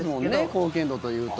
貢献度というと。